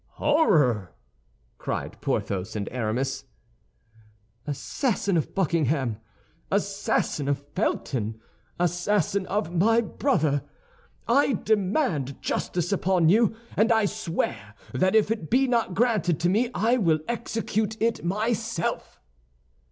"Horror!" cried Porthos and Aramis. "Assassin of Buckingham, assassin of Felton, assassin of my brother, I demand justice upon you, and I swear that if it be not granted to me, I will execute it myself."